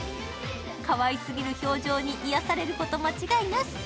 かわいすぎる表情に癒されること間違いなし。